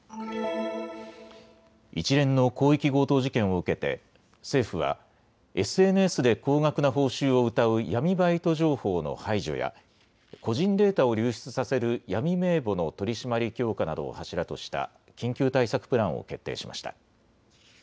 一連の広域強盗事件を受けて政府はＳＮＳで高額な報酬をうたう闇バイト情報の排除や個人データを流出させる闇名簿の取締り強化などを柱とした緊急対策プランを決定しました。